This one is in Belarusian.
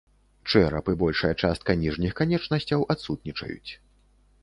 Чэрап і большая частка ніжніх канечнасцяў адсутнічаюць.